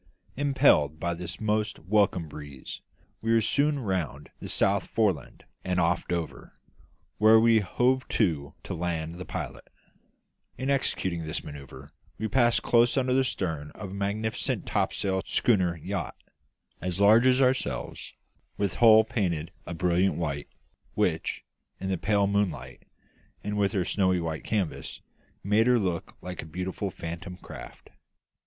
Impelled by this most welcome breeze, we were soon round the South Foreland and off Dover, where we hove to to land the pilot. In executing this manoeuvre we passed close under the stern of a magnificent topsail schooner yacht, as large as ourselves, with hull painted a brilliant white, which, in the pale moonlight and with her snow white canvas, made her look like a beautiful phantom craft.